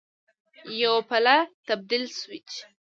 یو پله تبدیل سویچ